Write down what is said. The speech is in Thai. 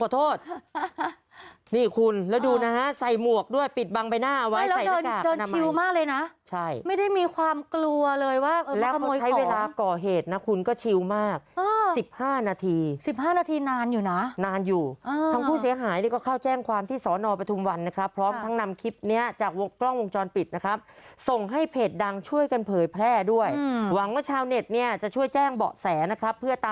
โทษนี่คุณแล้วดูนะฮะใส่หมวกด้วยปิดบังไปหน้าเอาไว้ใส่หน้ากากน้ำไม้ไม่ได้มีความกลัวเลยว่ากระโมยของแล้วก็ใช้เวลาก่อเหตุนะคุณก็ชิวมาก๑๕นาที๑๕นาทีนานอยู่นะนานอยู่ทั้งผู้เสียหายก็เข้าแจ้งความที่สอนอบทุมวันนะครับพร้อมทั้งนำคลิปเนี่ยจากกล้องวงจรปิดนะครับส่งให้เพจดังช่วยกันเผ